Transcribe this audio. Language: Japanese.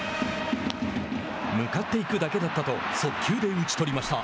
向かっていくだけだったと速球で打ち取りました。